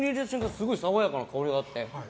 すごい、爽やかな香りがあって。